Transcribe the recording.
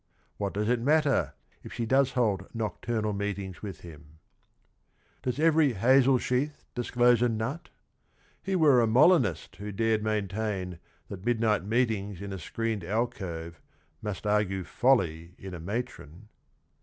What does it matter, if she does hold nocturnal meetings with him ? "Does every hazel sheath disclose a nut? He were a Molinist who dared maintain That midnight meetings in a screened alcove Must argue folly in a matron."